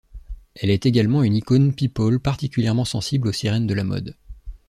Elle est également une icône people particulièrement sensible aux sirènes de la mode.